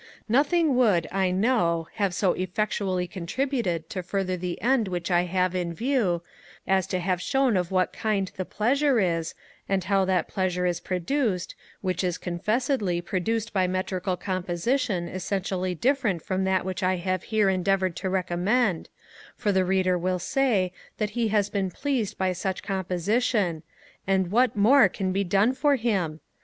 Nothing would, I know, have so effectually contributed to further the end which I have in view, as to have shown of what kind the pleasure is, and how that pleasure is produced, which is confessedly produced by metrical composition essentially different from that which I have here endeavoured to recommend: for the Reader will say that he has been pleased by such composition; and what more can be done for him?